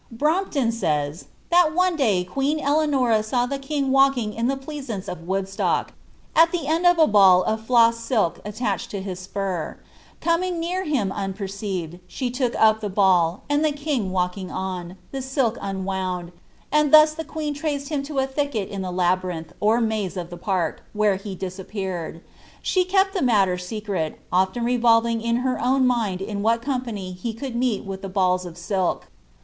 iktMBpton eaya. " That one day queen Eleanora saw the king walking in iha pleoaance of Woodstock, with the end of a ball of floss silk altarfwd to his spur; coming near hira un perceived, she took up tlte ball, anil the king walking un, the sdk unwound, and thus the queen Incnl him to a thicket in the labyrinth or maze of the park, where he diappewd. She kept the mutter secret, often revolving in her own umA 'm wbM company ho could meet with balls of silk.